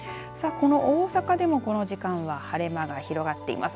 大阪でも、この時間は晴れ間が広がっています。